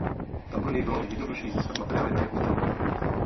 Tam pro něj bylo jednodušší získat materiály na jeho zdravotní produkty.